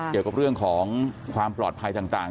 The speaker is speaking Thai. เกี่ยวกับเรื่องของความปลอดภัยต่าง